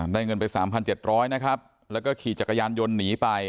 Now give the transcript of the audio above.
เงินไป๓๗๐๐นะครับแล้วก็ขี่จักรยานยนต์หนีไป